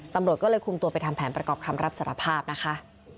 ตำรวจก็เลยคุมตัวไปทำแผนประกอบคำรับสารภาพนะคะ